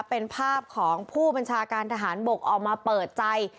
เป็นภาพของผู้บัญชาการทหารบกออกมาเปิดใจ